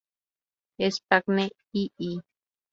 Espagne" ii.